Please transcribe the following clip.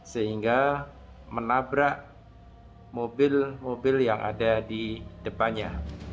sehingga menabrak mobil mobil yang ada di depannya